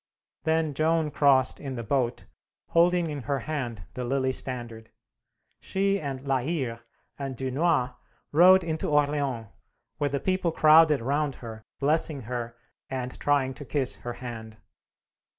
Then Joan crossed in the boat, holding in her hand the lily standard. She and La Hire and Dunois rode into Orleans, where the people crowded round her, blessing her, and trying to kiss her hand.